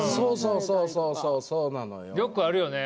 そうそう、そうなのよ。